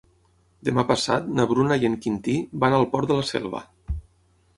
Demà passat na Bruna i en Quintí van al Port de la Selva.